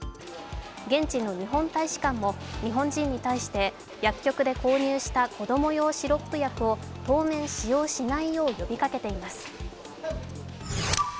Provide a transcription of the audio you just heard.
現地の日本大使館も日本人に対して薬局で購入した子供用シロップ薬を当面使用しないよう呼びかけています。